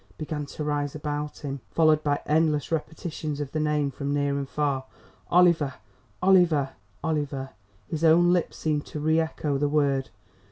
began to rise about him; followed by endless repetitions of the name from near and far: "Oliver! Oliver!" Oliver! His own lips seemed to re echo the word.